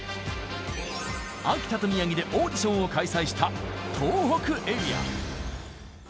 秋田と宮城でオーディションを開催した東北エリア。